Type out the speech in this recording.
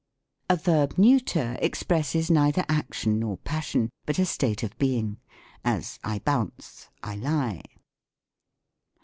51 A Verb Neuter expresses neither action nor passion, but a state of being ; as, I bounce, I lie.